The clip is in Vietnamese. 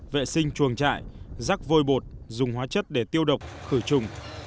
vệ sinh chuồng trại rắc vôi bột dùng hóa chất để tiêu độc khử trùng